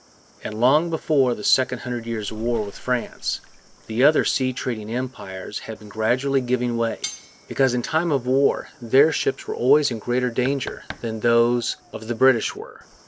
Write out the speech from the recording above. And long before the Second Hundred Years' War with France the other sea trading empires had been gradually giving way, because in time of war their ships were always in greater danger than those of the British were.